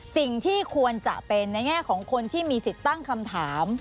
สิ่งที่ควรจะเป็นในแง่ของคนที่มีสิทธิ์ตั้งคำถาม